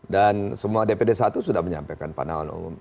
dan semua dpd satu sudah menyampaikan pandangan umum